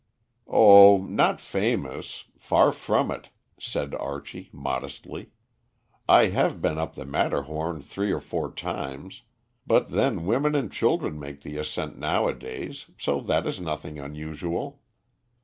"Oh, not famous; far from it," said Archie modestly. "I have been up the Matterhorn three or four times; but then women and children make the ascent nowadays, so that is nothing unusual."